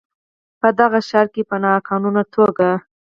په دغه ښار کې په ناقانونه توګه